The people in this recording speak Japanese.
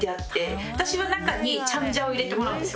私は中にチャンジャを入れてもらうんですよ。